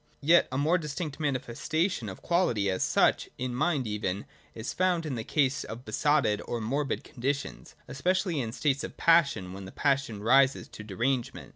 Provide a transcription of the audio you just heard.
Yet a more distinct manifestation of Quality as such, in mind even, is found in the case of besotted or morbid conditions, especially in states of passion and when the pas sion rises to derangement.